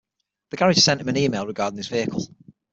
The garage sent him an email regarding his vehicle.